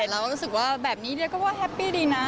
แต่เรารู้สึกว่าแบบนี้เดี๋ยวก็ว่าแฮปปี้ดีนะ